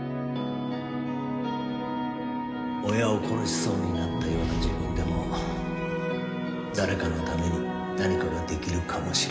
「親を殺しそうになったような自分でも誰かのために何かができるかもしれない」